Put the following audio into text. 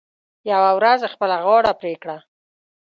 یوه ورځ خپله غاړه پرې کړه .